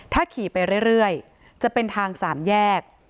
ถ้าขี่ไปเรื่อยจะเป็นทางสามแยก